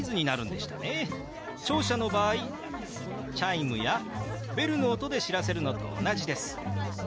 聴者の場合チャイムやベルの音で知らせるのと同じです。